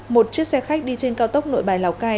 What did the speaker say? một chiếc xe khách đi trên cao tốc nội bài lào cai